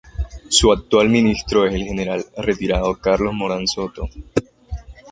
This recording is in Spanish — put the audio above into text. Su actual ministro es el general retirado Carlos Morán Soto.